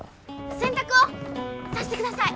洗濯をさしてください。